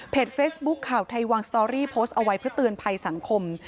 เฟซบุ๊คข่าวไทยวางสตอรี่โพสต์เอาไว้เพื่อเตือนภัยสังคม